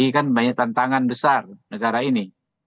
ini kan banyak tantangan besar negara ini